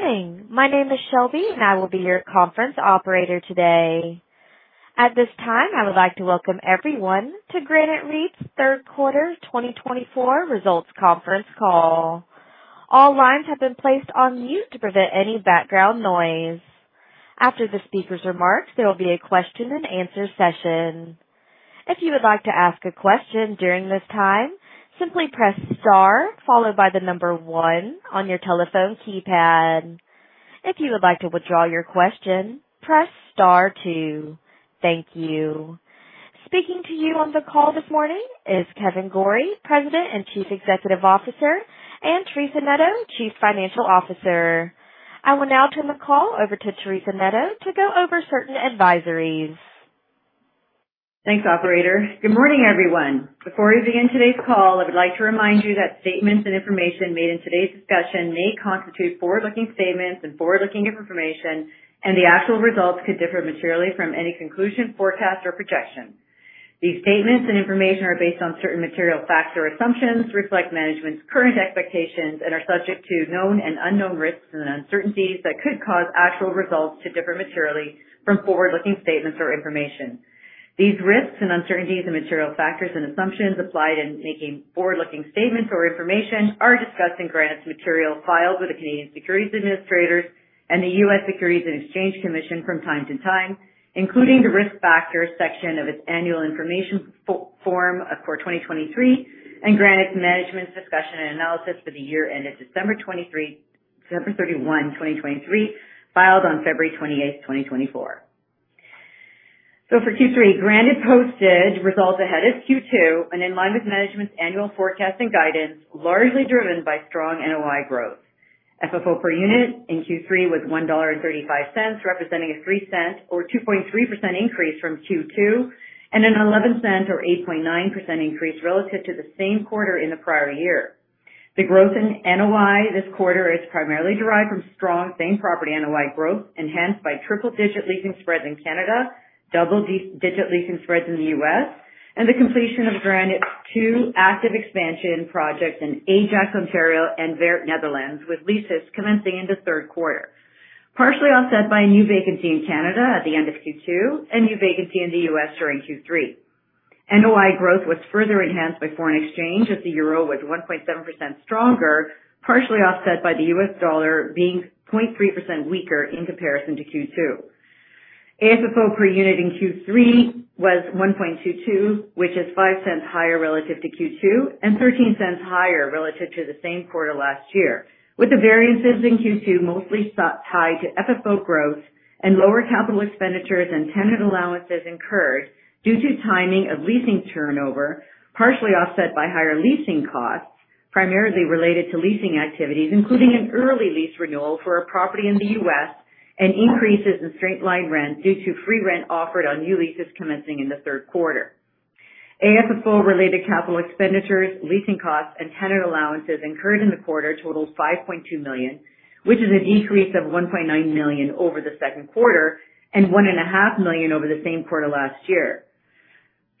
Good morning. My name is Shelby, and I will be your conference operator today. At this time, I would like to welcome everyone to Granite Real Estate Investment Trust's Third Quarter 2024 Results Conference Call. All lines have been placed on mute to prevent any background noise. After the speaker's remarks, there will be a question-and-answer session. If you would like to ask a question during this time, simply press star followed by the number one on your telephone keypad. If you would like to withdraw your question, press star two. Thank you. Speaking to you on the call this morning is Kevan Gorrie, President and Chief Executive Officer, and Teresa Neto, Chief Financial Officer. I will now turn the call over to Teresa Neto to go over certain advisories. Thanks, Operator. Good morning, everyone. Before we begin today's call, I would like to remind you that statements and information made in today's discussion may constitute forward-looking statements and forward-looking information, and the actual results could differ materially from any conclusion, forecast, or projection. These statements and information are based on certain material facts or assumptions, reflect management's current expectations, and are subject to known and unknown risks and uncertainties that could cause actual results to differ materially from forward-looking statements or information. These risks and uncertainties and material factors and assumptions applied in making forward-looking statements or information are discussed in Granite's material filed with the Canadian Securities Administrators and the U.S. Securities and Exchange Commission from time to time, including the risk factors section of its annual information form for 2023 and Granite's management's discussion and analysis for the year ended December 31, 2023, filed on February 28, 2024. So for Q3, Granite posted results ahead of Q2 and in line with management's annual forecast and guidance, largely driven by strong NOI growth. FFO per unit in Q3 was $1.35, representing a $0.03 or 2.3% increase from Q2 and a $0.11 or 8.9% increase relative to the same quarter in the prior year. The growth in NOI this quarter is primarily derived from strong same-property NOI growth, enhanced by triple-digit leasing spreads in Canada, double-digit leasing spreads in the U.S., and the completion of Granite's two active expansion projects in Ajax, Ontario, and Weert, Netherlands, with leases commencing in the third quarter. Partially offset by a new vacancy in Canada at the end of Q2 and a new vacancy in the U.S. during Q3. NOI growth was further enhanced by foreign exchange as the euro was 1.7% stronger, partially offset by the U.S. dollar being 0.3% weaker in comparison to Q2. FFO per unit in Q3 was 1.22, which is five cents higher relative to Q2 and 13 cents higher relative to the same quarter last year, with the variances in Q2 mostly tied to FFO growth and lower capital expenditures and tenant allowances incurred due to timing of leasing turnover, partially offset by higher leasing costs primarily related to leasing activities, including an early lease renewal for a property in the U.S. and increases in straight-line rent due to free rent offered on new leases commencing in the third quarter. FFO-related capital expenditures, leasing costs, and tenant allowances incurred in the quarter totaled $5.2 million, which is a decrease of $1.9 million over the second quarter and $1.5 million over the same quarter last year.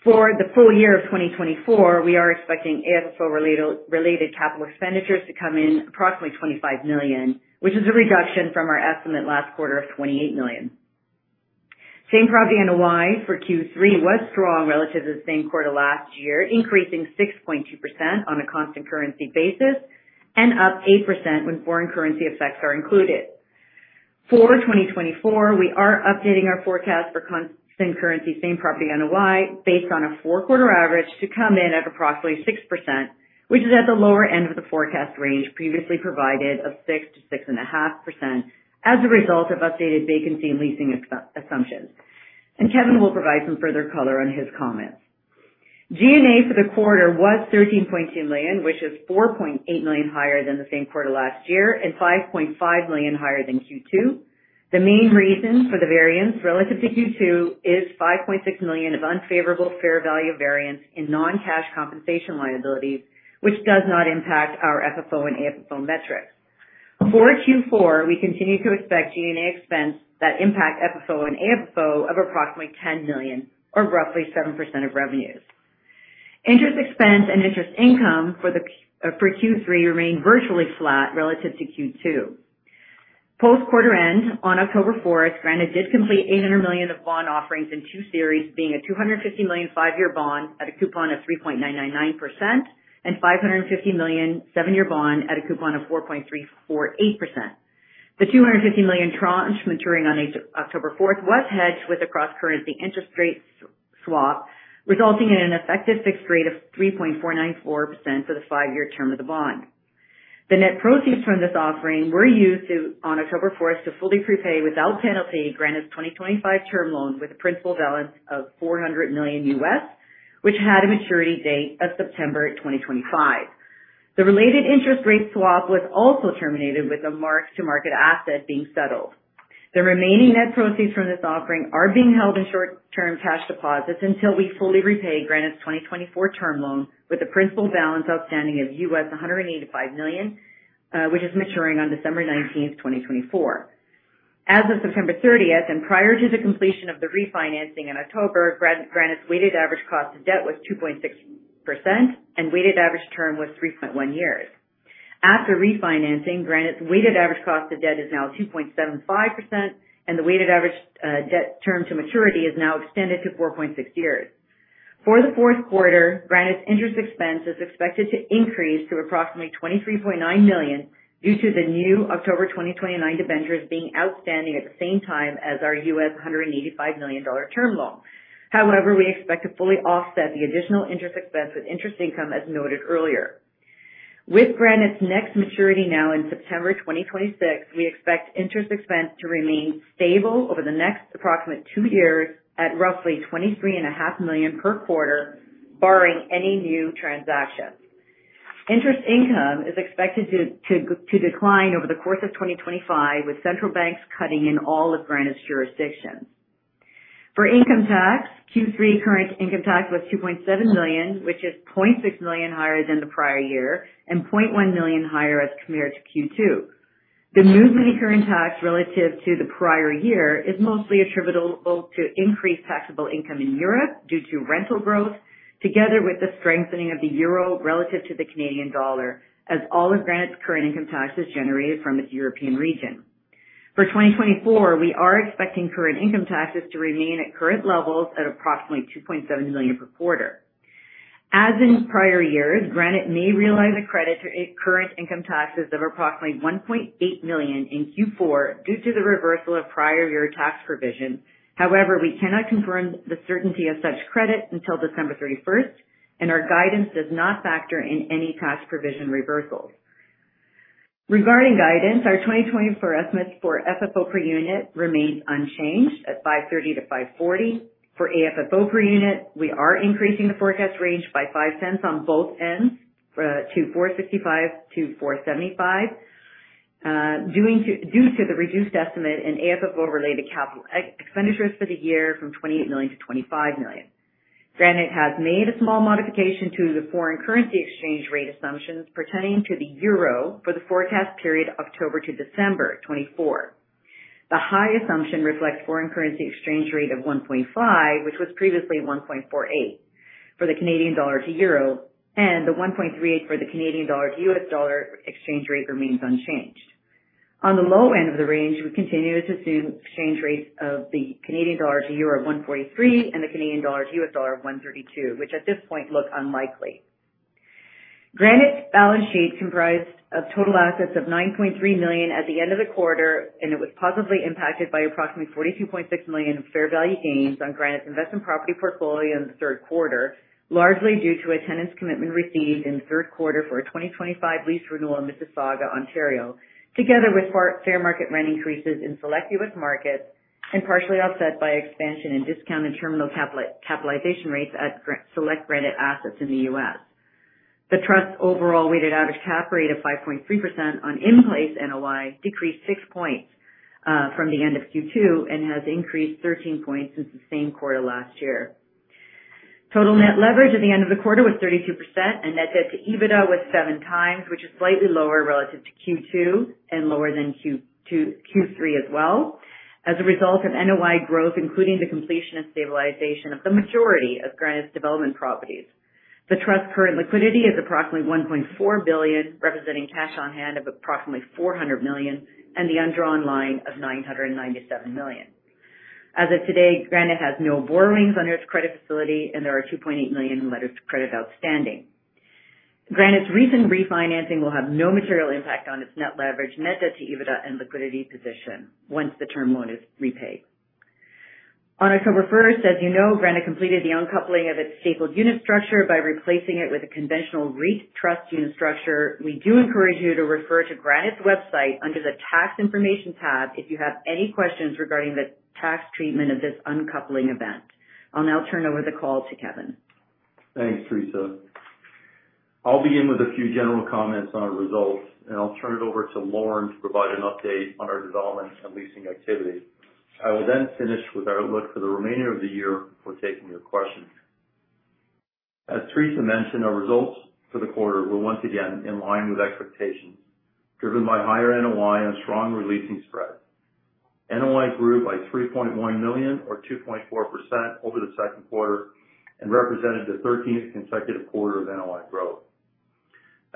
For the full year of 2024, we are expecting FFO-related capital expenditures to come in approximately $25 million, which is a reduction from our estimate last quarter of $28 million. Same-property NOI for Q3 was strong relative to the same quarter last year, increasing 6.2% on a constant currency basis and up 8% when foreign currency effects are included. For 2024, we are updating our forecast for constant currency same-property NOI based on a four-quarter average to come in at approximately 6%, which is at the lower end of the forecast range previously provided of 6%-6.5% as a result of updated vacancy and leasing assumptions. And Kevan will provide some further color on his comments. G&A for the quarter was $13.2 million, which is 4.8 million higher than the same quarter last year and $5.5 million higher than Q2. The main reason for the variance relative to Q2 is $5.6 million of unfavorable fair value variance in non-cash compensation liabilities, which does not impact our FFO and AFFO metrics. For Q4, we continue to expect G&A expense that impacts FFO and AFFO of approximately $10 million, or roughly 7% of revenues. Interest expense and interest income for Q3 remain virtually flat relative to Q2. Post-quarter end, on October 4, Granite did complete $800 million of bond offerings in two series, being a $250 million five-year bond at a coupon of 3.999% and $550 million seven-year bond at a coupon of 4.348%. The $250 million tranche maturing on October 4 was hedged with a cross-currency interest rate swap, resulting in an effective fixed rate of 3.494% for the five-year term of the bond. The net proceeds from this offering were used on October 4 to fully prepay without penalty Granite's 2025 term loan with a principal balance of $400 million, which had a maturity date of September 2025. The related interest rate swap was also terminated with a mark-to-market asset being settled. The remaining net proceeds from this offering are being held in short-term cash deposits until we fully repay Granite's 2024 term loan with a principal balance outstanding of $185 million, which is maturing on December 19, 2024. As of September 30 and prior to the completion of the refinancing in October, Granite's weighted average cost of debt was 2.6%, and weighted average term was 3.1 years. After refinancing, Granite's weighted average cost of debt is now 2.75%, and the weighted average debt term to maturity is now extended to 4.6 years. For the fourth quarter, Granite's interest expense is expected to increase to approximately $23.9 million due to the new October 2029 debentures being outstanding at the same time as our U.S. $185 million term loan. However, we expect to fully offset the additional interest expense with interest income as noted earlier. With Granite's next maturity now in September 2026, we expect interest expense to remain stable over the next approximate two years at roughly $23.5 million per quarter, barring any new transactions. Interest income is expected to decline over the course of 2025, with central banks cutting in all of Granite's jurisdictions. For income tax, Q3 current income tax was 2.7 million, which is 0.6 million higher than the prior year and 0.1 million higher as compared to Q2. The move in the current tax relative to the prior year is mostly attributable to increased taxable income in Europe due to rental growth, together with the strengthening of the euro relative to the Canadian dollar, as all of Granite's current income tax is generated from its European region. For 2024, we are expecting current income taxes to remain at current levels at approximately 2.7 million per quarter. As in prior years, Granite may realize a credit to current income taxes of approximately 1.8 million in Q4 due to the reversal of prior year tax provisions. However, we cannot confirm the certainty of such credit until December 31, and our guidance does not factor in any tax provision reversals. Regarding guidance, our 2024 estimates for FFO per unit remain unchanged at $5.30-$5.40. For AFFO per unit, we are increasing the forecast range by $0.05 on both ends to $4.65-$4.75 due to the reduced estimate in AFFO-related capital expenditures for the year from $28 million-$25 million. Granite has made a small modification to the foreign currency exchange rate assumptions pertaining to the euro for the forecast period October to December 2024. The high assumption reflects a foreign currency exchange rate of 1.5, which was previously 1.48 for the Canadian dollar to euro, and the 1.38 for the Canadian dollar to U.S. dollar exchange rate remains unchanged. On the low end of the range, we continue to assume exchange rates of the Canadian dollar to euro of 1.43 and the Canadian dollar to U.S. dollar of 1.32, which at this point look unlikely. Granite's balance sheet comprised total assets of $9.3 million at the end of the quarter, and it was positively impacted by approximately $42.6 million in fair value gains on Granite's investment property portfolio in the third quarter, largely due to a tenant's commitment received in the third quarter for a 2025 lease renewal in Mississauga, Ontario, together with fair market rent increases in select U.S. markets and partially offset by expansion and discounted terminal capitalization rates at select Granite assets in the U.S. The trust's overall weighted average cap rate of 5.3% on in-place NOI decreased 6 points from the end of Q2 and has increased 13 points since the same quarter last year. Total net leverage at the end of the quarter was 32%, and net debt to EBITDA was 7 times, which is slightly lower relative to Q2 and lower than Q3 as well, as a result of NOI growth, including the completion and stabilization of the majority of Granite's development properties. The trust's current liquidity is approximately $1.4 billion, representing cash on hand of approximately $400 million and the undrawn line of $997 million. As of today, Granite has no borrowings under its credit facility, and there are $2.8 million in letters of credit outstanding. Granite's recent refinancing will have no material impact on its net leverage, net debt to EBITDA, and liquidity position once the term loan is repaid. On October 1, as you know, Granite completed the uncoupling of its stapled unit structure by replacing it with a conventional REIT trust unit structure. We do encourage you to refer to Granite's website under the tax information tab if you have any questions regarding the tax treatment of this uncoupling event. I'll now turn over the call to Kevan. Thanks, Teresa. I'll begin with a few general comments on our results, and I'll turn it over to Lorne to provide an update on our development and leasing activity. I will then finish with our look for the remainder of the year before taking your questions. As Teresa mentioned, our results for the quarter were once again in line with expectations, driven by higher NOI and stronger leasing spreads. NOI grew by 3.1 million, or 2.4%, over the second quarter and represented the 13th consecutive quarter of NOI growth.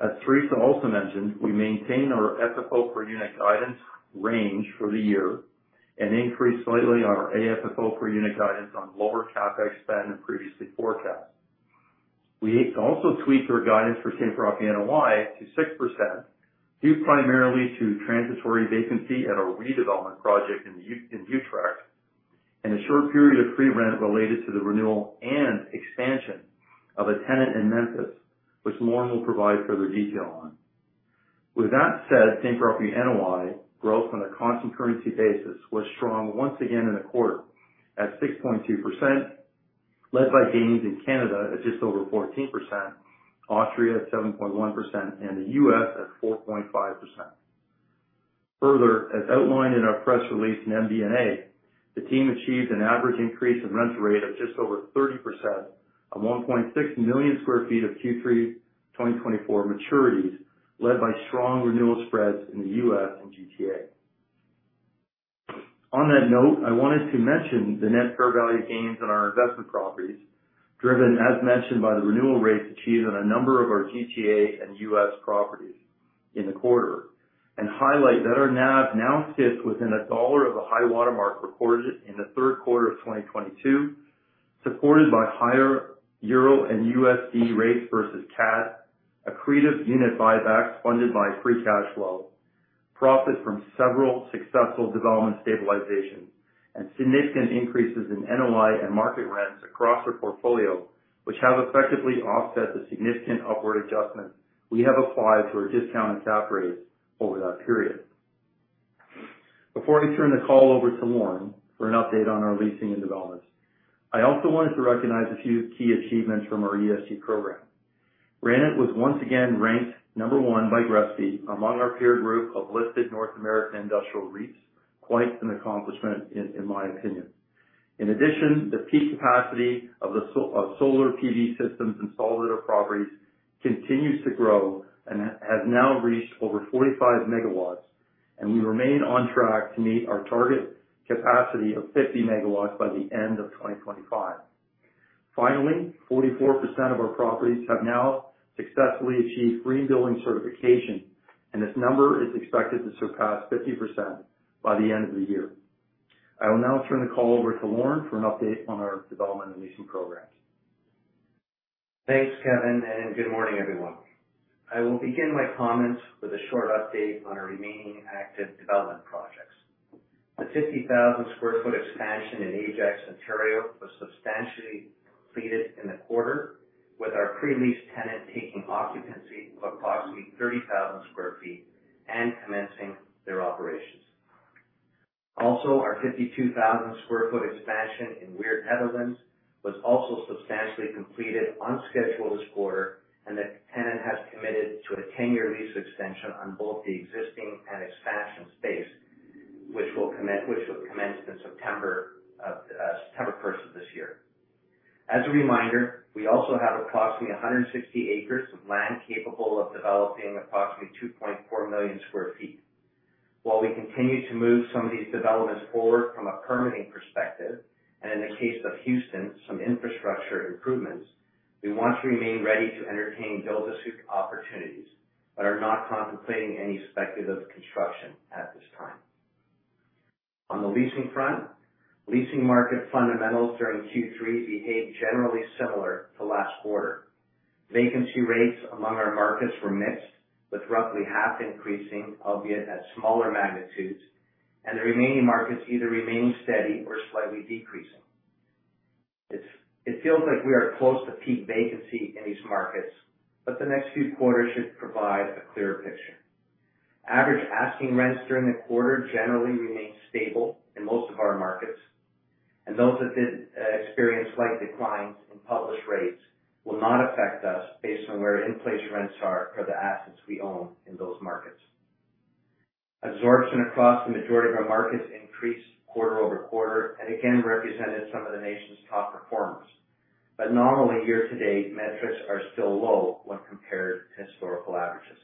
As Teresa also mentioned, we maintained our FFO per unit guidance range for the year and increased slightly our AFFO per unit guidance on lower CapEx than previously forecast. We also tweaked our guidance for same-property NOI to 6% due primarily to transitory vacancy at our redevelopment project in Utrecht and a short period of free rent related to the renewal and expansion of a tenant in Memphis, which Lorne will provide further detail on. With that said, same-property NOI growth on a constant currency basis was strong once again in the quarter at 6.2%, led by gains in Canada at just over 14%, Austria at 7.1%, and the U.S. at 4.5%. Further, as outlined in our press release and MD&A, the team achieved an average increase in rent rate of just over 30% on 1.6 million sq ft of Q3 2024 maturities, led by strong renewal spreads in the U.S. and GTA. On that note, I wanted to mention the net fair value gains on our investment properties, driven, as mentioned, by the renewal rates achieved on a number of our GTA and U.S. properties in the quarter, and highlight that our NAV now sits within a dollar of the high watermark recorded in the third quarter of 2022, supported by higher euro and USD rates versus cash, accretive unit buybacks funded by free cash flow, profits from several successful development stabilizations, and significant increases in NOI and market rents across our portfolio, which have effectively offset the significant upward adjustments we have applied to our discounted cap rates over that period. Before I turn the call over to Lorne for an update on our leasing and developments, I also wanted to recognize a few key achievements from our ESG program. Granite was once again ranked number one by GRESB among our peer group of listed North American industrial REITs, quite an accomplishment in my opinion. In addition, the peak capacity of the solar PV systems installed at our properties continues to grow and has now reached over 45 megawatts, and we remain on track to meet our target capacity of 50 megawatts by the end of 2025. Finally, 44% of our properties have now successfully achieved green building certification, and this number is expected to surpass 50% by the end of the year. I will now turn the call over to Lorne for an update on our development and leasing programs. Thanks, Kevan, and good morning, everyone. I will begin my comments with a short update on our remaining active development projects. The 50,000 sq ft expansion in Ajax, Ontario, was substantially completed in the quarter, with our pre-lease tenant taking occupancy of approximately 30,000 sq ft and commencing their operations. Also, our 52,000 sq ft expansion in Weert, Netherlands was also substantially completed on schedule this quarter, and the tenant has committed to a 10-year lease extension on both the existing and expansion space, which will commence in September 1 of this year. As a reminder, we also have approximately 160 acres of land capable of developing approximately 2.4 million sq ft. While we continue to move some of these developments forward from a permitting perspective, and in the case of Houston, some infrastructure improvements, we want to remain ready to entertain build-to-suit opportunities but are not contemplating any speculative construction at this time. On the leasing front, leasing market fundamentals during Q3 behaved generally similar to last quarter. Vacancy rates among our markets were mixed, with roughly half increasing, albeit at smaller magnitudes, and the remaining markets either remaining steady or slightly decreasing. It feels like we are close to peak vacancy in these markets, but the next few quarters should provide a clearer picture. Average asking rents during the quarter generally remained stable in most of our markets, and those that did experience slight declines in published rates will not affect us based on where in-place rents are for the assets we own in those markets. Absorption across the majority of our markets increased quarter over quarter and again represented some of the nation's top performers, but normally year-to-date metrics are still low when compared to historical averages.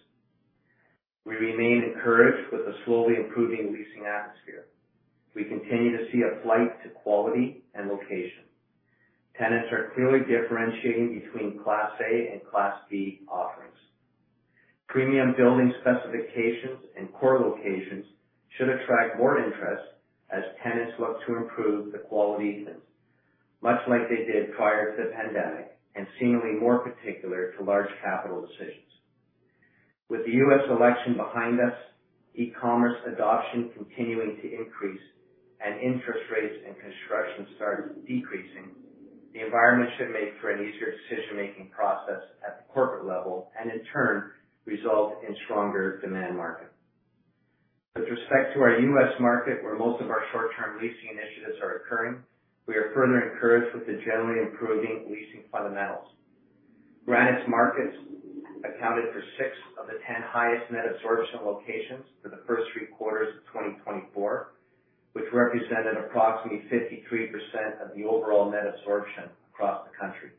We remain encouraged with the slowly improving leasing atmosphere. We continue to see a flight to quality and location. Tenants are clearly differentiating between Class A and Class B offerings. Premium building specifications and core locations should attract more interest as tenants look to improve the quality of things, much like they did prior to the pandemic and seemingly more particular to large capital decisions. With the U.S. election behind us, e-commerce adoption continuing to increase, and interest rates and construction starts decreasing, the environment should make for an easier decision-making process at the corporate level and, in turn, result in stronger demand market. With respect to our U.S. market, where most of our short-term leasing initiatives are occurring, we are further encouraged with the generally improving leasing fundamentals. Granite's markets accounted for six of the 10 highest net absorption locations for the first three quarters of 2024, which represented approximately 53% of the overall net absorption across the country.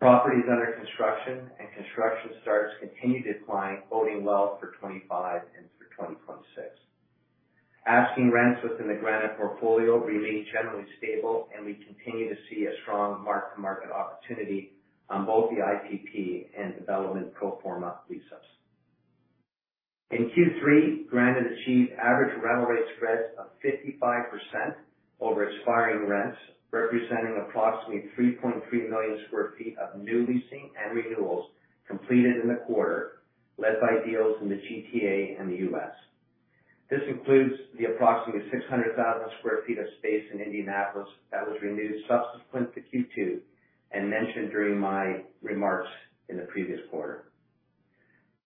Properties under construction and construction starts continue to decline, holding well for 2025 and for 2026. Asking rents within the Granite portfolio remain generally stable, and we continue to see a strong mark-to-market opportunity on both the IPP and development pro forma lease-ups. In Q3, Granite achieved average rental rate spreads of 55% over expiring rents, representing approximately 3.3 million sq ft of new leasing and renewals completed in the quarter, led by deals in the GTA and the U.S. This includes the approximately 600,000 sq ft of space in Indianapolis that was renewed subsequent to Q2 and mentioned during my remarks in the previous quarter.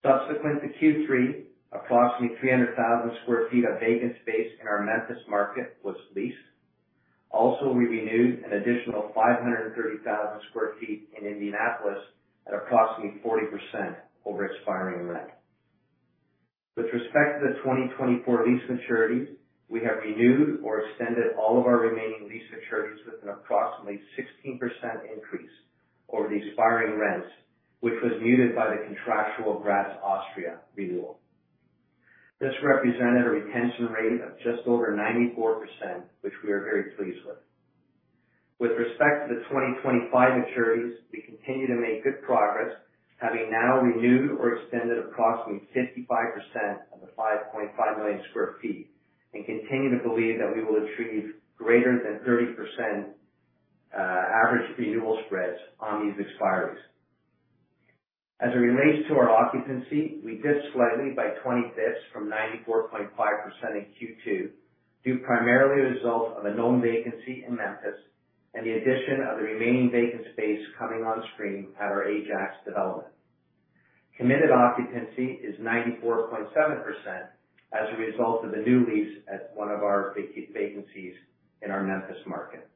Subsequent to Q3, approximately 300,000 sq ft of vacant space in our Memphis market was leased. Also, we renewed an additional 530,000 sq ft in Indianapolis at approximately 40% over expiring rent. With respect to the 2024 lease maturities, we have renewed or extended all of our remaining lease maturities with an approximately 16% increase over the expiring rents, which was muted by the contractual Graz, Austria renewal. This represented a retention rate of just over 94%, which we are very pleased with. With respect to the 2025 maturities, we continue to make good progress, having now renewed or extended approximately 55% of the 5.5 million sq ft and continue to believe that we will achieve greater than 30% average renewal spreads on these expiries. As it relates to our occupancy, we dipped slightly by 20 basis points from 94.5% in Q2 due primarily to the result of a known vacancy in Memphis and the addition of the remaining vacant space coming online at our Ajax development. Committed occupancy is 94.7% as a result of the new lease at one of our vacancies in our Memphis market.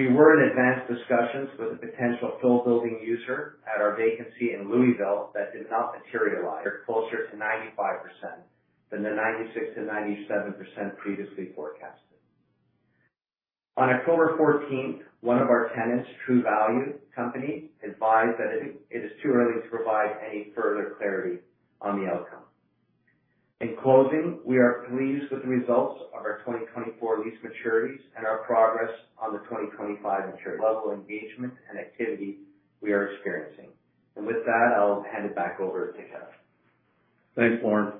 We were in advanced discussions with a potential full-building user at our vacancy in Louisville that did not materialize. Closer to 95% than the 96%-97% previously forecasted. On October 14, one of our tenants, True Value Company, advised that it is too early to provide any further clarity on the outcome. In closing, we are pleased with the results of our 2024 lease maturities and our progress on the 2025 maturities. Level engagement and activity we are experiencing. And with that, I'll hand it back over to Kevan. Thanks, Lorne.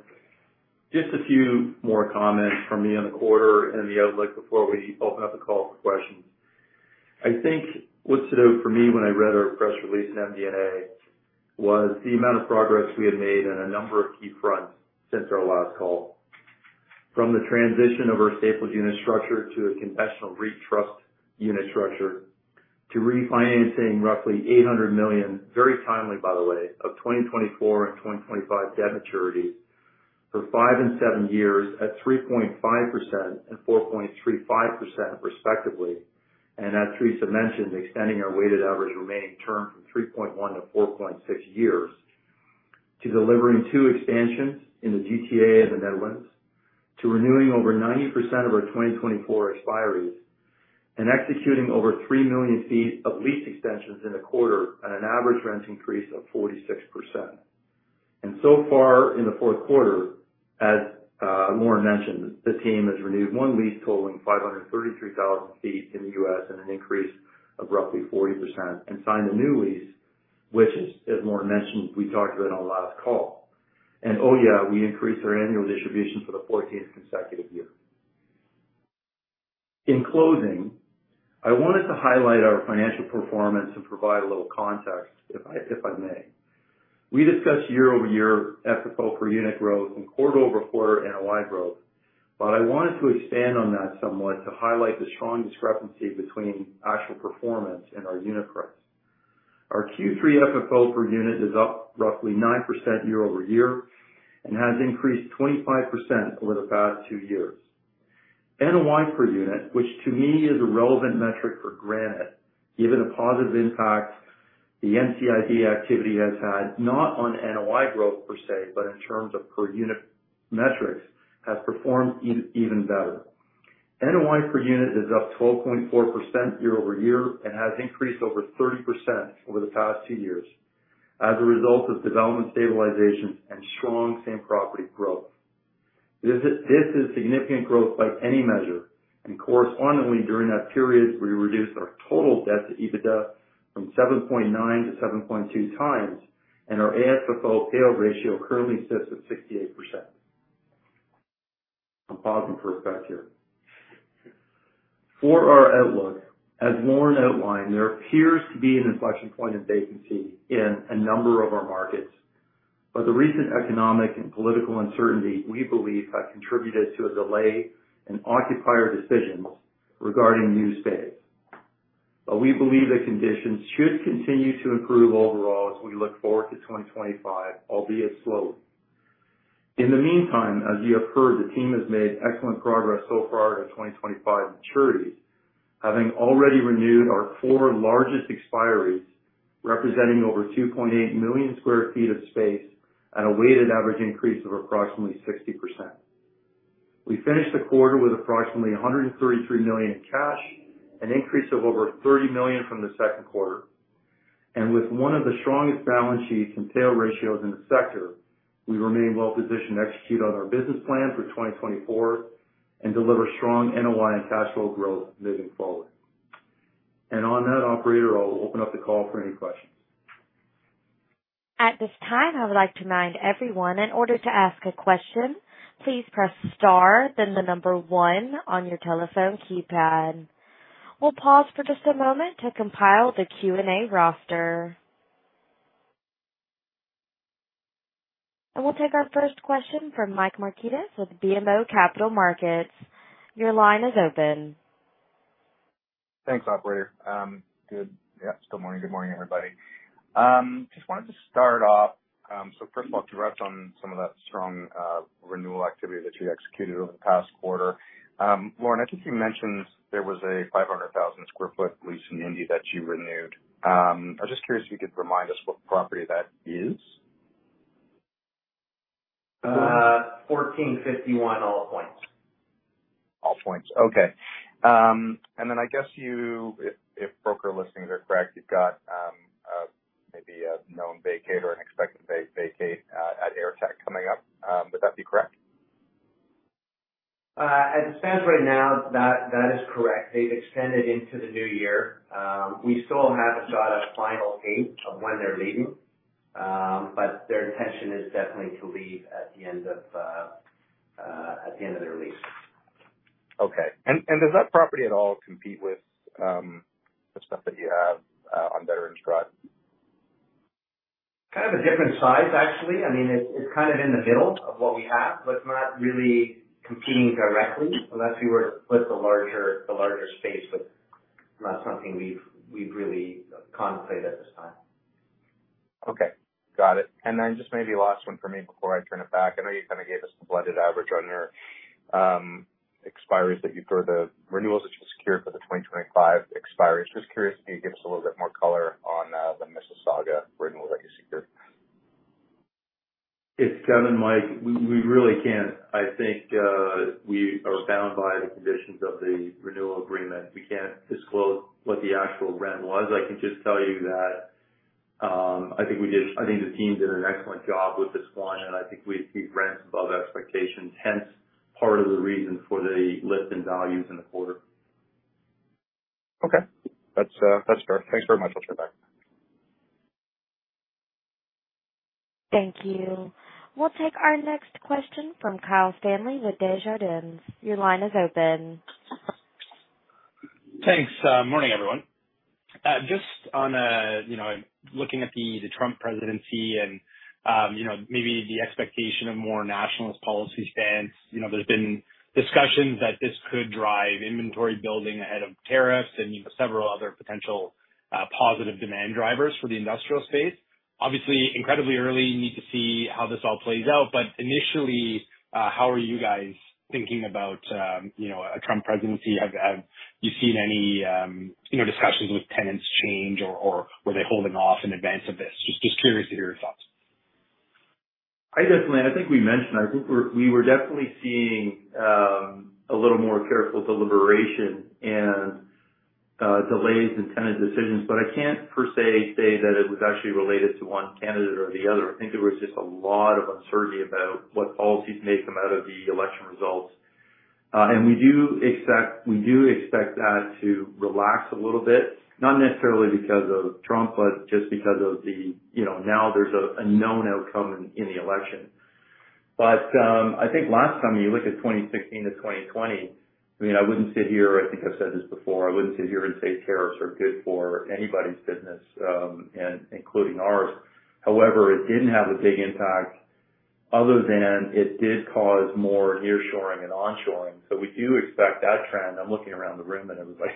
Just a few more comments from me on the quarter and the outlook before we open up the call for questions. I think what stood out for me when I read our press release and MD&A was the amount of progress we had made on a number of key fronts since our last call. From the transition of our stapled unit structure to a conventional REIT trust unit structure to refinancing roughly 800 million, very timely, by the way, of 2024 and 2025 debt maturities for five and seven years at 3.5% and 4.35%, respectively, and as Teresa mentioned, extending our weighted average remaining term from 3.1-4.6 years to delivering two expansions in the GTA and the Netherlands, to renewing over 90% of our 2024 expiries and executing over 3 million feet of lease extensions in the quarter at an average rent increase of 46%. So far in the fourth quarter, as Lorne mentioned, the team has renewed one lease totaling 533,000 sq ft in the U.S. and an increase of roughly 40% and signed a new lease, which, as Lorne mentioned, we talked about on the last call. Oh yeah, we increased our annual distribution for the 14th consecutive year. In closing, I wanted to highlight our financial performance and provide a little context, if I may. We discussed year-over-year FFO per unit growth and quarter-over-quarter NOI growth, but I wanted to expand on that somewhat to highlight the strong discrepancy between actual performance and our unit price. Our Q3 FFO per unit is up roughly 9% year-over-year and has increased 25% over the past two years. NOI per unit, which to me is a relevant metric for Granite, given the positive impact the NCIB activity has had, not on NOI growth per se, but in terms of per unit metrics, has performed even better. NOI per unit is up 12.4% year-over-year and has increased over 30% over the past two years as a result of development stabilizations and strong same-property growth. This is significant growth by any measure, and correspondingly, during that period, we reduced our total debt to EBITDA from 7.9-7.2 times, and our AFFO payout ratio currently sits at 68%. I'm pausing for a sec here. For our outlook, as Lorne outlined, there appears to be an inflection point in vacancy in a number of our markets, but the recent economic and political uncertainty we believe has contributed to a delay in occupier decisions regarding new space. But we believe the conditions should continue to improve overall as we look forward to 2025, albeit slowly. In the meantime, as you have heard, the team has made excellent progress so far in our 2025 maturities, having already renewed our four largest expiries, representing over 2.8 million sq ft of space at a weighted average increase of approximately 60%. We finished the quarter with approximately $133 million in cash, an increase of over $30 million from the second quarter, and with one of the strongest balance sheets and payout ratios in the sector, we remain well-positioned to execute on our business plan for 2024 and deliver strong NOI and cash flow growth moving forward. And on that, Operator, I'll open up the call for any questions. At this time, I would like to remind everyone in order to ask a question, please press star, then the number one on your telephone keypad. We'll pause for just a moment to compile the Q&A roster, and we'll take our first question from Mike Markidis with BMO Capital Markets. Your line is open. Thanks, Operator. Good, yeah, still morning, good morning, everybody. Just wanted to start off, so first of all, congrats on some of that strong renewal activity that you executed over the past quarter. Lorne, I think you mentioned there was a 500,000 sq ft lease in Indy that you renewed. I was just curious if you could remind us what property that is. 1451 AllPoints. AllPoints. Okay. And then I guess you, if broker listings are correct, you've got maybe a known vacate or an expected vacate at Airtech coming up. Would that be correct? As it stands right now, that is correct. They've extended into the new year. We still haven't got a final date of when they're leaving, but their intention is definitely to leave at the end of their lease. Okay. And does that property at all compete with the stuff that you have on Veterans Drive? Kind of a different size, actually. I mean, it's kind of in the middle of what we have, but it's not really competing directly unless we were to split the larger space, but not something we've really contemplated at this time. Okay. Got it. And then just maybe last one for me before I turn it back. I know you kind of gave us the blended average on your expiries that you've or the renewals that you've secured for the 2025 expiries. Just curious if you could give us a little bit more color on the Mississauga renewal that you secured. It's Kevan, Mike. We really can't, I think we are bound by the conditions of the renewal agreement. We can't disclose what the actual rent was. I can just tell you that I think we did, I think the team did an excellent job with this one, and I think we achieved rents above expectations, hence part of the reason for the lift in values in the quarter. Okay. That's fair. Thanks very much. I'll turn it back. Thank you. We'll take our next question from Kyle Stanley with Desjardins. Your line is open. Thanks. Morning, everyone. Just on a, you know, looking at the Trump presidency and, you know, maybe the expectation of more nationalist policy stance, you know, there's been discussions that this could drive inventory building ahead of tariffs and, you know, several other potential positive demand drivers for the industrial space. Obviously, incredibly early, you need to see how this all plays out, but initially, how are you guys thinking about, you know, a Trump presidency? Have you seen any, you know, discussions with tenants change or were they holding off in advance of this? Just curious to hear your thoughts. I definitely, I think we mentioned, I think we were definitely seeing a little more careful deliberation and delays in tenant decisions, but I can't per se say that it was actually related to one candidate or the other. I think there was just a lot of uncertainty about what policies may come out of the election results, and we do expect that to relax a little bit, not necessarily because of Trump, but just because of the, you know, now there's a known outcome in the election, but I think last time, when you look at 2016-2020, I mean, I wouldn't sit here, I think I've said this before, I wouldn't sit here and say tariffs are good for anybody's business, including ours. However, it didn't have a big impact other than it did cause more nearshoring and onshoring. So we do expect that trend. I'm looking around the room and everybody.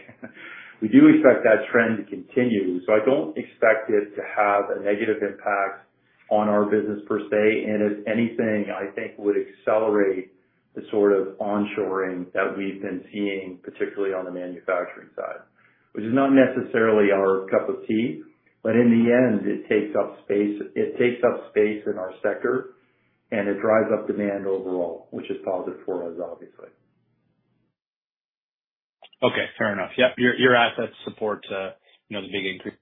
We do expect that trend to continue. So I don't expect it to have a negative impact on our business per se. And if anything, I think would accelerate the sort of onshoring that we've been seeing, particularly on the manufacturing side, which is not necessarily our cup of tea, but in the end, it takes up space, it takes up space in our sector and it drives up demand overall, which is positive for us, obviously. Okay. Fair enough. Yep. Your assets support, you know, the big increase.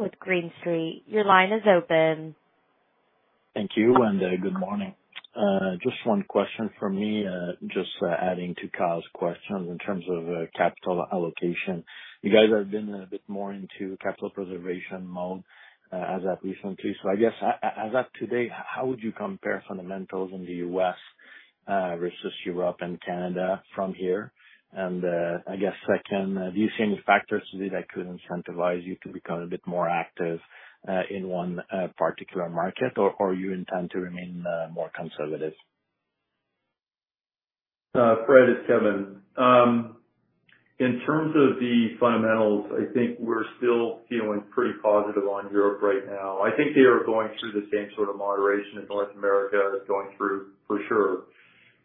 Fred, Green Street. Your line is open. Thank you, and good morning. Just one question for me, just adding to Kyle's question in terms of capital allocation. You guys have been a bit more into capital preservation mode as of recently. So I guess as of today, how would you compare fundamentals in the U.S. versus Europe and Canada from here? And I guess second, do you see any factors today that could incentivize you to become a bit more active in one particular market, or do you intend to remain more conservative? Fred, it's Kevan. In terms of the fundamentals, I think we're still feeling pretty positive on Europe right now. I think they are going through the same sort of moderation in North America as going through, for sure,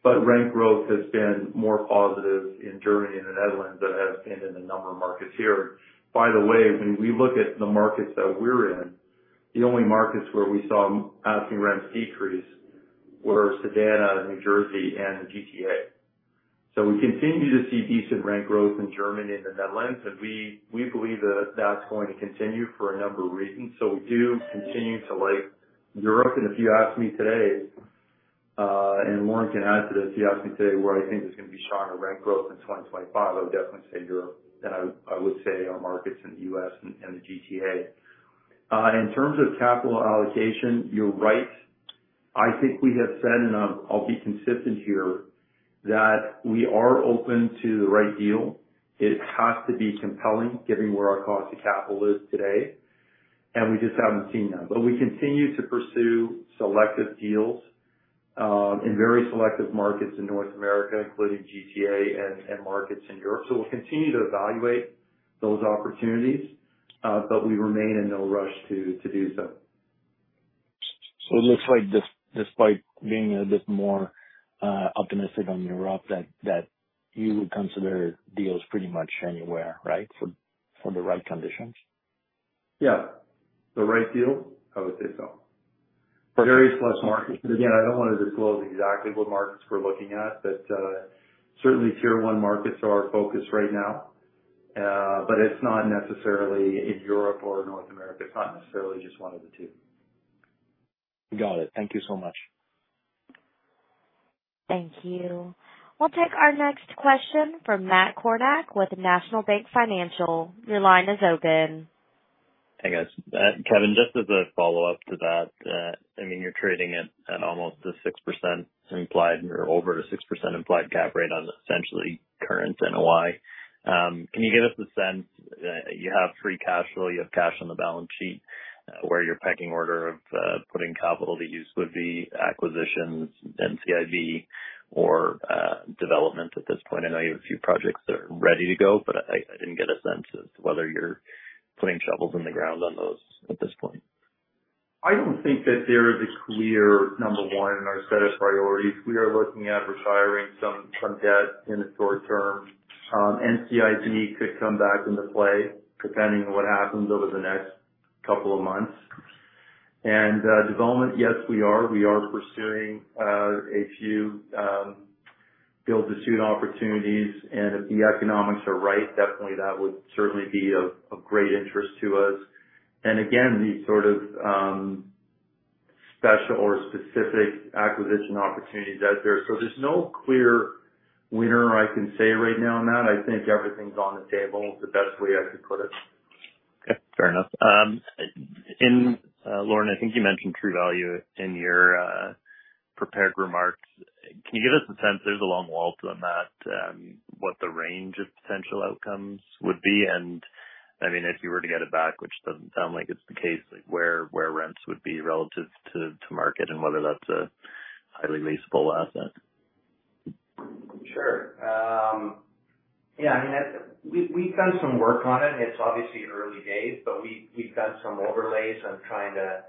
but rent growth has been more positive in Germany and the Netherlands than it has been in a number of markets here. By the way, when we look at the markets that we're in, the only markets where we saw asking rents decrease were Savannah, New Jersey, and the GTA, so we continue to see decent rent growth in Germany and the Netherlands, and we believe that that's going to continue for a number of reasons, so we do continue to like Europe. And if you ask me today, and Lorne can add to this, if you ask me today where I think there's going to be stronger rent growth in 2025, I would definitely say Europe, and I would say our markets in the U.S. and the GTA. In terms of capital allocation, you're right. I think we have said, and I'll be consistent here, that we are open to the right deal. It has to be compelling, given where our cost of capital is today, and we just haven't seen that. But we continue to pursue selective deals in very selective markets in North America, including GTA and markets in Europe. So we'll continue to evaluate those opportunities, but we remain in no rush to do so. It looks like despite being a bit more optimistic on Europe, that you would consider deals pretty much anywhere, right, for the right conditions? Yeah. The right deal. I would say so. Various lesser markets, but again, I don't want to disclose exactly what markets we're looking at, but certainly tier one markets are our focus right now, but it's not necessarily in Europe or North America. It's not necessarily just one of the two. Got it. Thank you so much. Thank you. We'll take our next question from Matt Kornack with National Bank Financial. Your line is open. Hey, guys. Kevan, just as a follow-up to that, I mean, you're trading at almost a 6% implied or over a 6% implied cap rate on essentially current NOI. Can you give us a sense? You have free cash flow, you have cash on the balance sheet. Where your pecking order of putting capital to use would be acquisitions and CapEx or development at this point? I know you have a few projects that are ready to go, but I didn't get a sense as to whether you're putting shovels in the ground on those at this point. I don't think that there is a clear number one in our set of priorities. We are looking at retiring some debt in the short term. NCIB could come back into play depending on what happens over the next couple of months. And development, yes, we are. We are pursuing a few build-to-suit opportunities, and if the economics are right, definitely that would certainly be of great interest to us. And again, these sort of special or specific acquisition opportunities out there. So there's no clear winner I can say right now on that. I think everything's on the table, the best way I could put it. Okay. Fair enough. And Lorne, I think you mentioned True Value in your prepared remarks. Can you give us a sense? There's a lot to that, what the range of potential outcomes would be. And I mean, if you were to get it back, which doesn't sound like it's the case, where rents would be relative to market and whether that's a highly leasable asset. Sure. Yeah. I mean, we've done some work on it. It's obviously early days, but we've done some overlays and trying to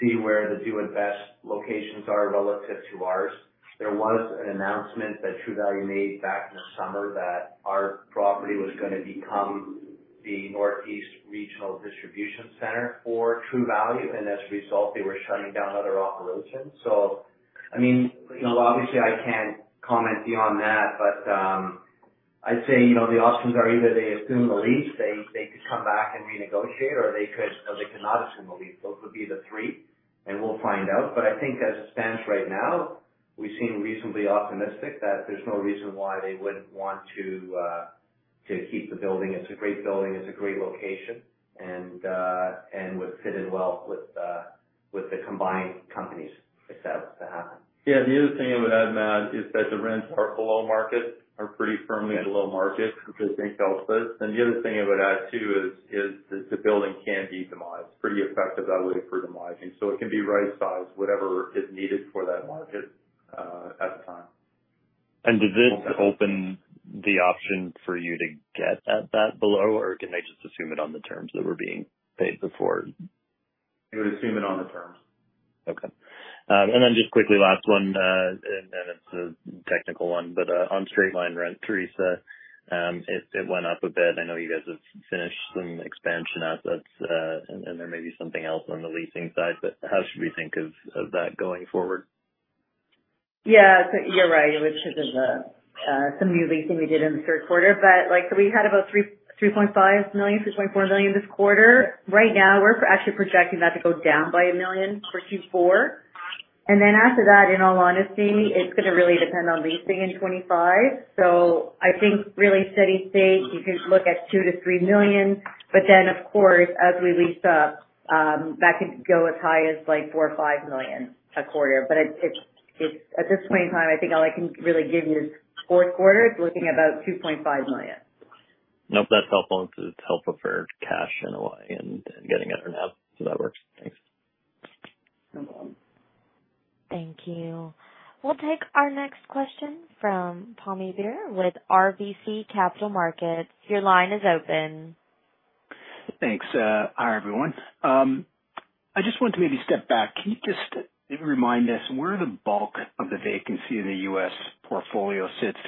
see where the Do it Best locations are relative to ours. There was an announcement that True Value made back in the summer that our property was going to become the Northeast Regional Distribution Center for True Value, and as a result, they were shutting down other operations. So I mean, obviously, I can't comment beyond that, but I'd say the options are either they assume the lease, they could come back and renegotiate, or they could not assume the lease. Those would be the three, and we'll find out. But I think as it stands right now, we seem reasonably optimistic that there's no reason why they wouldn't want to keep the building. It's a great building. It's a great location and would fit in well with the combined companies if that was to happen. Yeah. The other thing I would add, Matt, is that the rents are below market, are pretty firmly below market, which I think helps us. And the other thing I would add too is the building can be demised. It's pretty effective that way for demising. So it can be right-sized, whatever is needed for that market at the time. Does this open the option for you to get at that below, or can they just assume it on the terms that were being paid before? They would assume it on the terms. Okay. And then just quickly, last one, and it's a technical one, but on straight-line rent, Teresa, it went up a bit. I know you guys have finished some expansion assets, and there may be something else on the leasing side, but how should we think of that going forward? Yeah. You're right. It was because of some new leasing we did in the third quarter. But so we had about $3.5 million, $3.4 million this quarter. Right now, we're actually projecting that to go down by $1 million for Q4. And then after that, in all honesty, it's going to really depend on leasing in 2025. So I think really steady state, you could look at $2 million-$3 million. But then, of course, as we lease up, that could go as high as like $4 million or $5 million a quarter. But at this point in time, I think all I can really give you is fourth quarter, it's looking about $2.5 million. Nope. That's helpful. It's helpful for cash and getting it right now. So that works. Thanks. No problem. Thank you. We'll take our next question from Pammi Bir with RBC Capital Markets. Your line is open. Thanks. Hi, everyone. I just want to maybe step back. Can you just remind us where the bulk of the vacancy in the U.S. portfolio sits?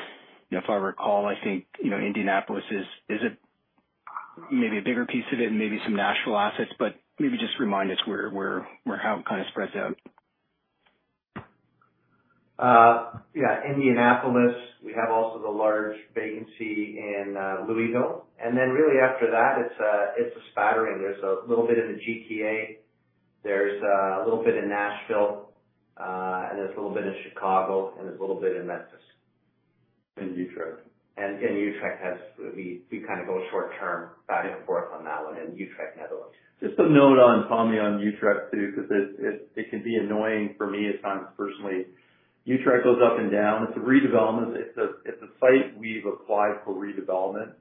If I recall, I think Indianapolis is maybe a bigger piece of it and maybe some national assets, but maybe just remind us how it kind of spreads out. Yeah. Indianapolis. We have also the large vacancy in Louisville. And then really after that, it's a smattering. There's a little bit in the GTA, there's a little bit in Nashville, and there's a little bit in Chicago, and there's a little bit in Memphis. And Utrecht. Utrecht, we kind of go short-term back and forth on that one in Utrecht, Netherlands. Just a note on tenancy on Utrecht too, because it can be annoying for me at times personally. Utrecht goes up and down. It's a redevelopment. It's a site we've applied for redevelopment,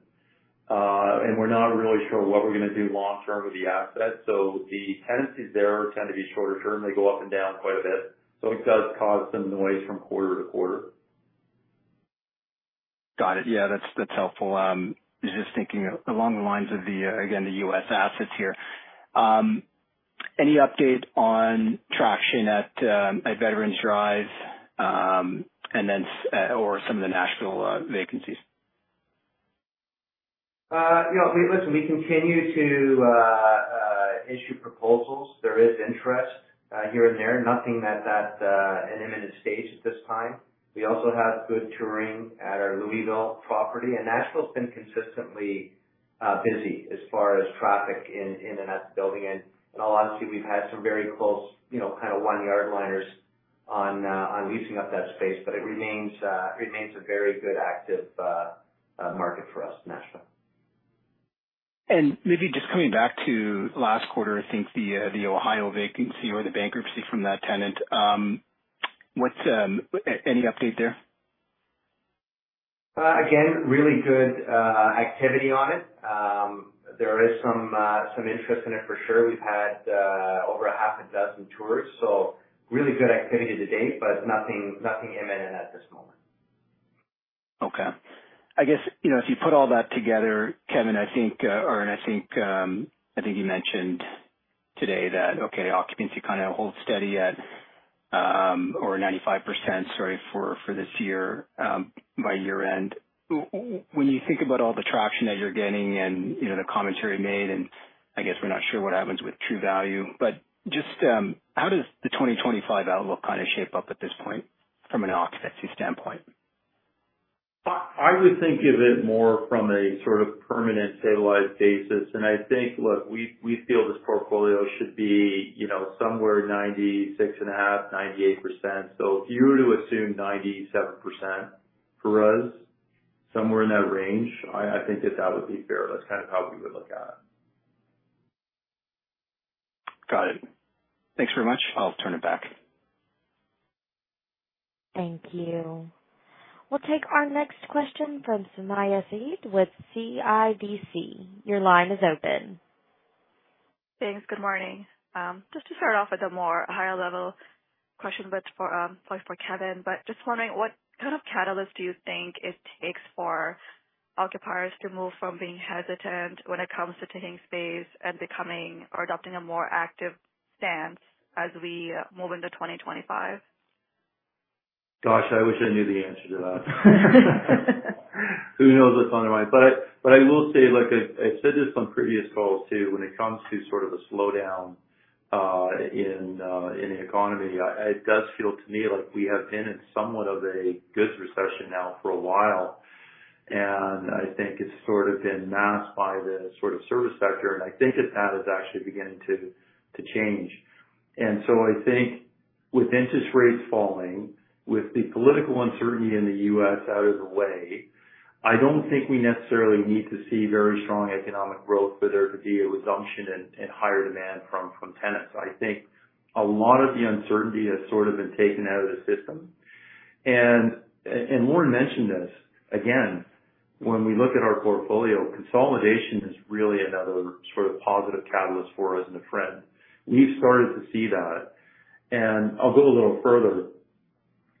and we're not really sure what we're going to do long-term with the assets. So the tenancies there tend to be shorter-term. They go up and down quite a bit. So it does cause some noise from quarter to quarter. Got it. Yeah. That's helpful. Just thinking along the lines of, again, the U.S. assets here. Any update on traction at Veterans Drive and then or some of the Nashville vacancies? Yeah. Listen, we continue to issue proposals. There is interest here and there. Nothing that's at an imminent stage at this time. We also have good touring at our Louisville property. And Nashville's been consistently busy as far as traffic in and at the building. And in all honesty, we've had some very close kind of one-yard liners on leasing up that space, but it remains a very good active market for us, Nashville. Maybe just coming back to last quarter, I think the Ohio vacancy or the bankruptcy from that tenant. Any update there? Again, really good activity on it. There is some interest in it for sure. We've had over a half a dozen tours. So really good activity to date, but nothing imminent at this moment. Okay. I guess if you put all that together, Kevan, I think, or I think you mentioned today that, okay, occupancy kind of holds steady at or 95%, sorry, for this year by year-end. When you think about all the traction that you're getting and the commentary made, and I guess we're not sure what happens with True Value, but just how does the 2025 outlook kind of shape up at this point from an occupancy standpoint? I would think of it more from a sort of permanent stabilized basis, and I think, look, we feel this portfolio should be somewhere 96.5%-98%. So if you were to assume 97% for us, somewhere in that range, I think that that would be fair. That's kind of how we would look at it. Got it. Thanks very much. I'll turn it back. Thank you. We'll take our next question from Sumayya Syed with CIBC Capital Markets. Your line is open. Thanks. Good morning. Just to start off with a more higher-level question, but for Kevan, but just wondering what kind of catalyst do you think it takes for occupiers to move from being hesitant when it comes to taking space and becoming or adopting a more active stance as we move into 2025? Gosh, I wish I knew the answer to that. Who knows what's on their mind? But I will say, look, I've said this on previous calls too, when it comes to sort of a slowdown in the economy, it does feel to me like we have been in somewhat of a good recession now for a while. And I think it's sort of been masked by the sort of service sector. And I think that that is actually beginning to change. And so I think with interest rates falling, with the political uncertainty in the U.S. out of the way, I don't think we necessarily need to see very strong economic growth for there to be a resumption in higher demand from tenants. I think a lot of the uncertainty has sort of been taken out of the system. And Lorne mentioned this. Again, when we look at our portfolio, consolidation is really another sort of positive catalyst for us and a trend. We've started to see that, and I'll go a little further.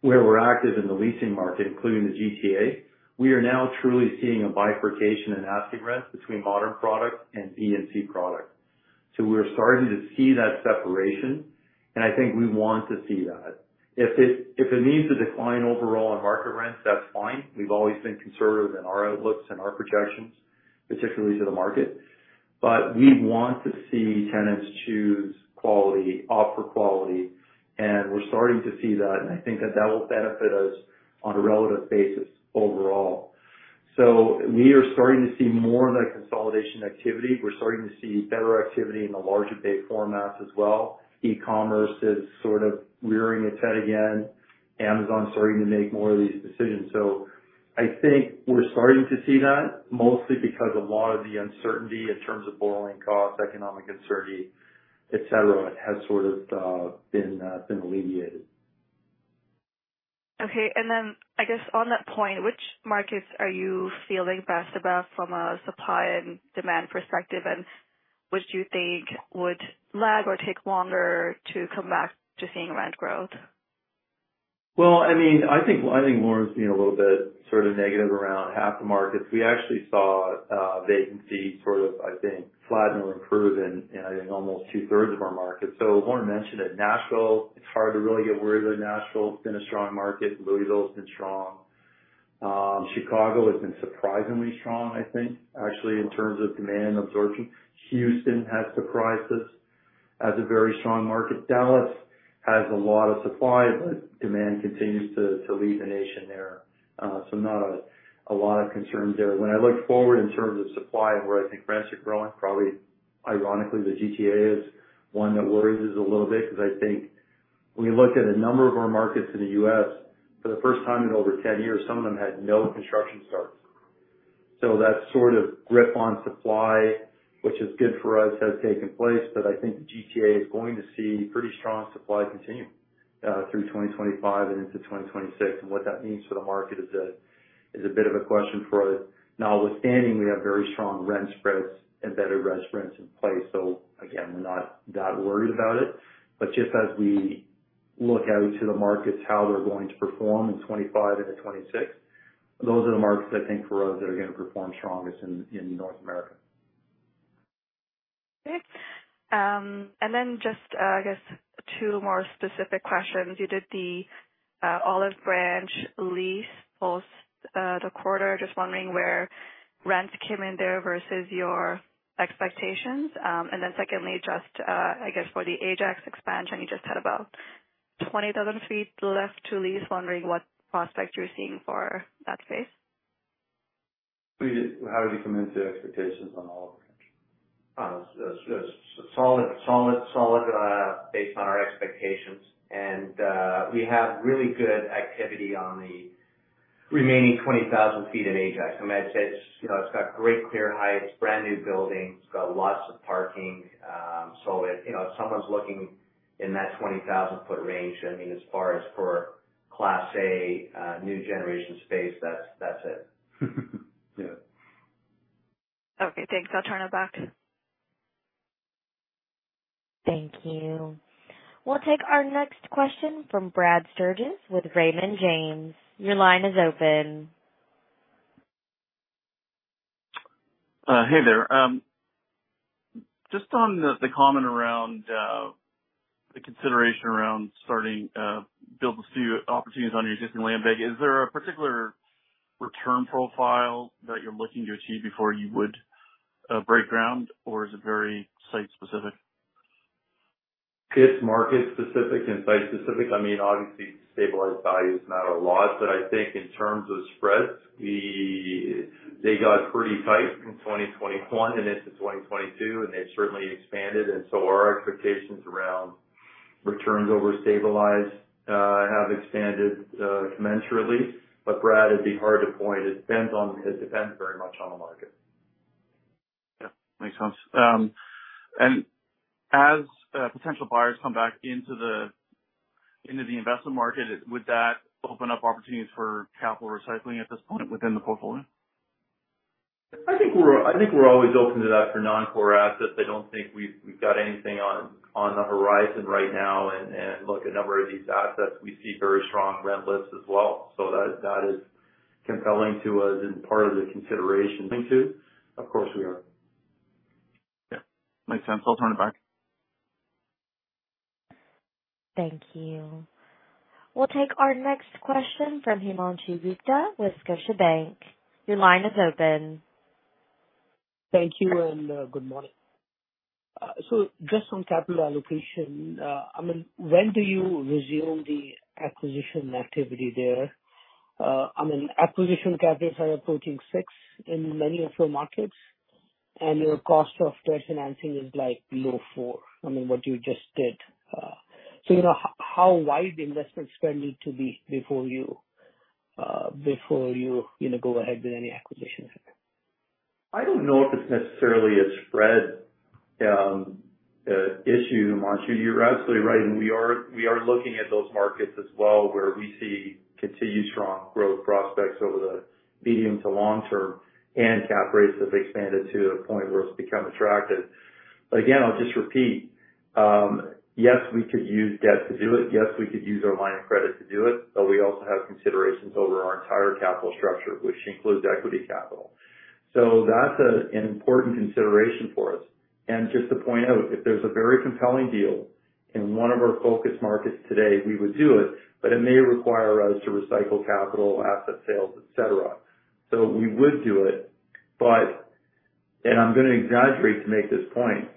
Where we're active in the leasing market, including the GTA, we are now truly seeing a bifurcation in asking rents between modern product and B and C product. We're starting to see that separation, and I think we want to see that. If it means a decline overall in market rents, that's fine. We've always been conservative in our outlooks and our projections, particularly to the market. We want to see tenants choose quality, opt for quality. We're starting to see that, and I think that will benefit us on a relative basis overall. We are starting to see more of that consolidation activity. We're starting to see better activity in the larger bay formats as well. E-commerce is sort of rearing its head again. Amazon's starting to make more of these decisions. So I think we're starting to see that mostly because a lot of the uncertainty in terms of borrowing costs, economic uncertainty, etc., has sort of been alleviated. Okay, and then I guess on that point, which markets are you feeling best about from a supply and demand perspective, and which do you think would lag or take longer to come back to seeing rent growth? I mean, I think Lorne's being a little bit sort of negative around half the markets. We actually saw vacancy sort of, I think, flatten or improve in, I think, almost two-thirds of our markets. Lorne mentioned it. Nashville, it's hard to really get word of it. Nashville's been a strong market. Louisville's been strong. Chicago has been surprisingly strong, I think, actually in terms of demand absorption. Houston has surprised us as a very strong market. Dallas has a lot of supply, but demand continues to lead the nation there. Not a lot of concerns there. When I look forward in terms of supply and where I think rents are growing, probably ironically, the GTA is one that worries us a little bit because I think when we looked at a number of our markets in the U.S., for the first time in over 10 years, some of them had no construction starts. So that sort of grip on supply, which is good for us, has taken place. But I think the GTA is going to see pretty strong supply continue through 2025 and into 2026. And what that means for the market is a bit of a question for us. Notwithstanding, we have very strong rent spreads and better rent spreads in place. So again, we're not that worried about it. But just as we look out to the markets, how they're going to perform in 2025 and 2026, those are the markets, I think, for us that are going to perform strongest in North America. Okay, and then just, I guess, two more specific questions. You did the Olive Branch lease post the quarter. Just wondering where rents came in there versus your expectations. And then, secondly, just, I guess, for the Ajax expansion, you just had about 20,000 sq ft left to lease. Wondering what prospects you're seeing for that space. How did we come into expectations on Olive Branch? Solid, solid, solid based on our expectations and we have really good activity on the remaining 20,000 sq ft at Ajax. I mean, I'd say it's got great clear heights, brand new buildings. It's got lots of parking so if someone's looking in that 20,000-sq-ft range, I mean, as far as for Class A, new generation space, that's it. Yeah. Okay. Thanks. I'll turn it back. Thank you. We'll take our next question from Brad Sturges with Raymond James. Your line is open. Hey there. Just on the comment around the consideration around starting to build a few opportunities on your existing land bank, is there a particular return profile that you're looking to achieve before you would break ground, or is it very site-specific? It's market-specific and site-specific. I mean, obviously, stabilized value is not a lot. But I think in terms of spreads, they got pretty tight from 2021 and into 2022, and they've certainly expanded. And so our expectations around returns over stabilized have expanded commensurately. But Brad, it'd be hard to point. It depends very much on the market. Yeah. Makes sense, and as potential buyers come back into the investment market, would that open up opportunities for capital recycling at this point within the portfolio? I think we're always open to that for non-core assets. I don't think we've got anything on the horizon right now. And look, a number of these assets, we see very strong rent lifts as well. So that is compelling to us and part of the consideration too. Of course, we are. Yeah. Makes sense. I'll turn it back. Thank you. We'll take our next question from Himanshu Gupta with Scotiabank. Your line is open. Thank you and good morning. So just on capital allocation, I mean, when do you resume the acquisition activity there? I mean, acquisition capital is approaching six in many of your markets, and your cost of that financing is like low four. I mean, what you just did. So how wide the investment spread need to be before you go ahead with any acquisition? I don't know if it's necessarily a spread issue, Himanshu. You're absolutely right, and we are looking at those markets as well where we see continued strong growth prospects over the medium to long term, and cap rates have expanded to a point where it's become attractive, but again, I'll just repeat, yes, we could use debt to do it. Yes, we could use our line of credit to do it, but we also have considerations over our entire capital structure, which includes equity capital, so that's an important consideration for us, and just to point out, if there's a very compelling deal in one of our focus markets today, we would do it, but it may require us to recycle capital, asset sales, etc., so we would do it, and I'm going to exaggerate to make this point.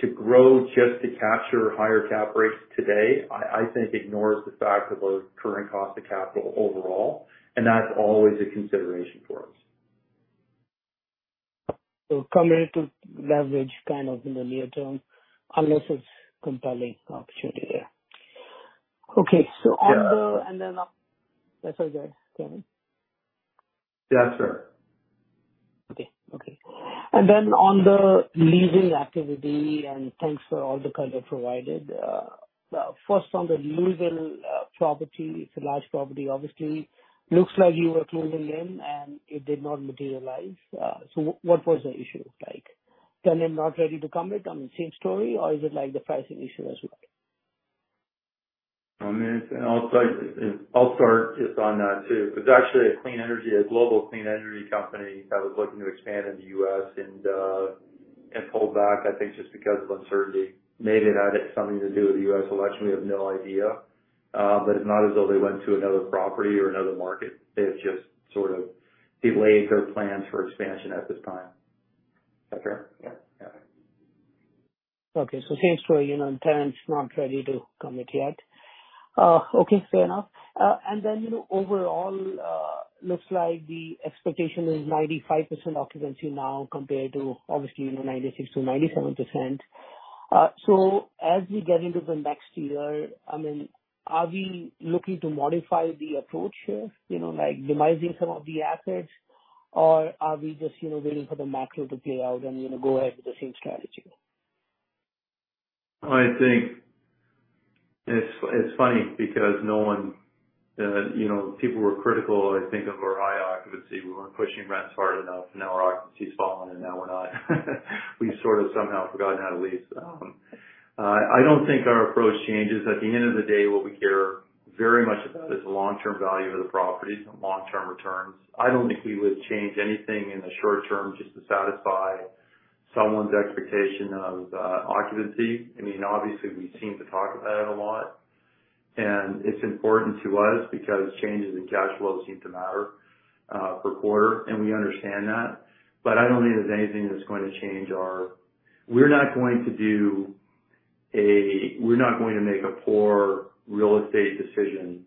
To grow just to capture higher cap rates today, I think ignores the fact of the current cost of capital overall, and that's always a consideration for us. So coming to leverage kind of in the near term, unless it's compelling opportunity there. Okay. So on the. Yeah. And then that's all you guys, Kevan. That's fair. Okay. And then on the leasing activity, and thanks for all the color provided. First, on the Louisville property, it's a large property, obviously. Looks like you were closing in, and it did not materialize. So what was the issue like? Tenant not ready to come with? I mean, same story, or is it like the pricing issue as well? I'll start just on that too. It's actually a global clean energy company that was looking to expand in the U.S. and pulled back, I think, just because of uncertainty. Maybe it had something to do with the U.S. election. We have no idea. But it's not as though they went to another property or another market. They've just sort of delayed their plans for expansion at this time. Is that fair? Yeah. Yeah. Okay, so same story. Tenant not ready to commit yet. Okay. Fair enough. And then overall, looks like the expectation is 95% occupancy now compared to, obviously, 96%-97%. So as we get into the next year, I mean, are we looking to modify the approach here, like demising some of the assets, or are we just waiting for the macro to play out and go ahead with the same strategy? I think it's funny because now people were critical, I think, of our high occupancy. We weren't pushing rents hard enough, and now our occupancy is falling, and now we're not. We've sort of somehow forgotten how to lease. I don't think our approach changes. At the end of the day, what we care very much about is the long-term value of the properties and long-term returns. I don't think we would change anything in the short term just to satisfy someone's expectation of occupancy. I mean, obviously, we seem to talk about it a lot, and it's important to us because changes in cash flow seem to matter per quarter, and we understand that. I don't think there's anything that's going to change. We're not going to make a poor real estate decision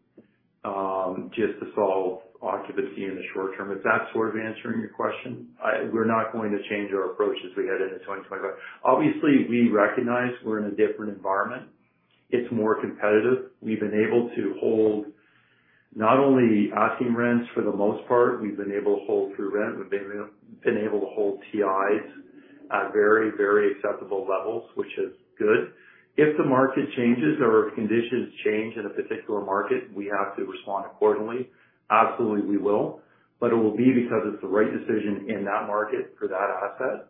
just to solve occupancy in the short term. If that's sort of answering your question, we're not going to change our approach as we head into 2025. Obviously, we recognize we're in a different environment. It's more competitive. We've been able to hold not only asking rents for the most part. We've been able to hold through rent. We've been able to hold TIs at very, very acceptable levels, which is good. If the market changes or if conditions change in a particular market, we have to respond accordingly. Absolutely, we will, but it will be because it's the right decision in that market for that asset.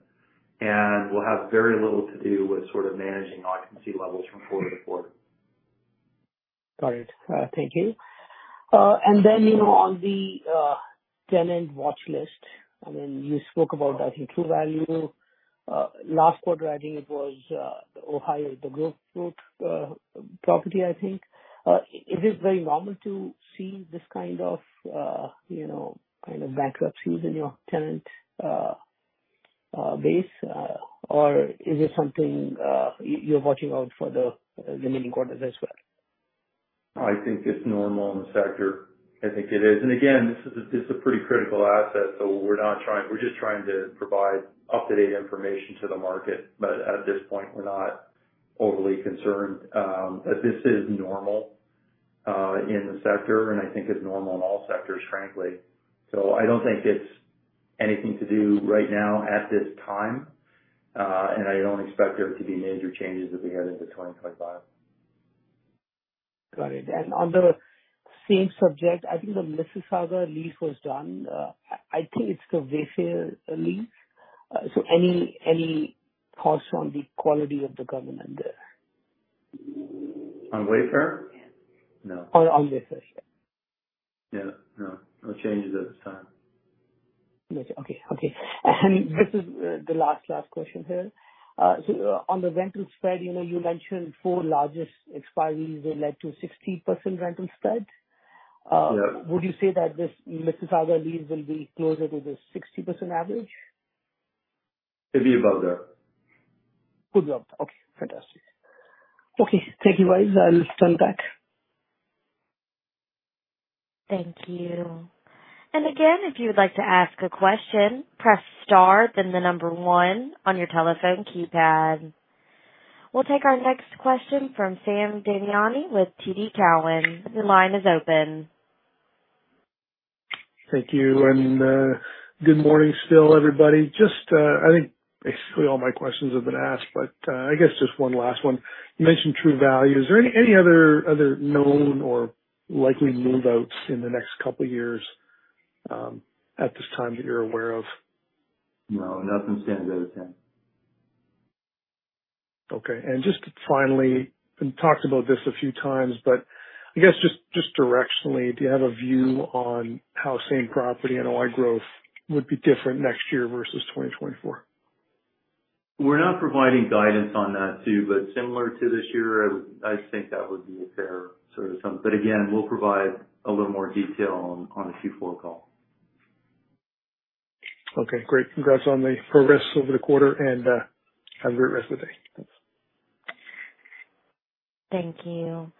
We'll have very little to do with sort of managing occupancy levels from quarter to quarter. Got it. Thank you. And then on the tenant watch list, I mean, you spoke about, I think, True Value. Last quarter, I think it was Ohio, the Groveport property, I think. Is it very normal to see this kind of bankruptcies in your tenant base, or is it something you're watching out for the remaining quarters as well? I think it's normal in the sector. I think it is, and again, this is a pretty critical asset, so we're just trying to provide up-to-date information to the market, but at this point, we're not overly concerned, but this is normal in the sector, and I think it's normal in all sectors, frankly, so I don't think it's anything to do right now at this time, and I don't expect there to be major changes that we had into 2025. Got it. And on the same subject, I think the Mississauga lease was done. I think it's the Wayfair lease. So any thoughts on the quality of the covenant there? On Wayfair? Yes. No. On Wayfair, yeah. Yeah. No. No changes at this time. Okay. And this is the last question here. So on the rental spread, you mentioned four largest expiry led to 60% rental spread. Would you say that this Mississauga lease will be closer to the 60% average? It'd be above that. Good job. Okay. Fantastic. Okay. Thank you, guys. I'll turn it back. Thank you. And again, if you would like to ask a question, press star, then the number one on your telephone keypad. We'll take our next question from Sam Damiani with TD Cowen. The line is open. Thank you. And good morning still, everybody. Just I think basically all my questions have been asked, but I guess just one last one. You mentioned True Value. Is there any other known or likely move-outs in the next couple of years at this time that you're aware of? No. Nothing stands out at hand. Okay. And just finally, we've talked about this a few times, but I guess just directionally, do you have a view on how same-property NOI growth would be different next year versus 2024? We're not providing guidance on that too, but similar to this year, I think that would be a fair sort of assumption. But again, we'll provide a little more detail on a Q4 call. Okay. Great. Congrats on the progress over the quarter, and have a great rest of the day. Thanks. Thank you.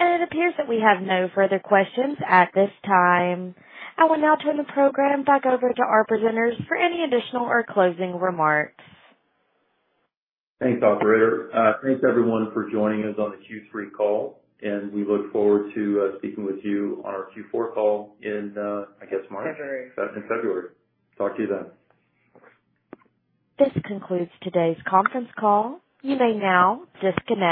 And it appears that we have no further questions at this time. I will now turn the program back over to our presenters for any additional or closing remarks. Thanks, operator. Thanks, everyone, for joining us on the Q3 call. And we look forward to speaking with you on our Q4 call in, I guess, March. February. In February. Talk to you then. This concludes today's conference call. You may now disconnect.